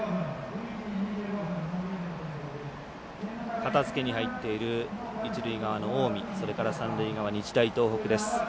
片付けに入っている一塁側の近江それから三塁側の日大東北です。